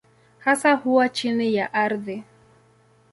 Hasa huwa chini ya ardhi.